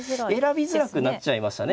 選びづらくなっちゃいましたね。